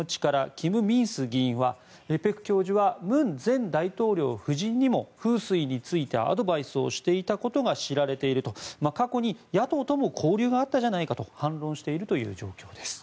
キム・ミンス議員はペク教授は文前大統領夫人にも風水についてアドバイスをしていたことが知られていると過去に野党とも交流があったじゃないかと反論しているという状況です。